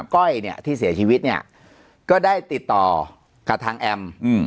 ก้อยเนี่ยที่เสียชีวิตเนี่ยก็ได้ติดต่อกับทางแอม